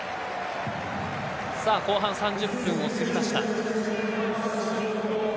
後半３０分を過ぎました。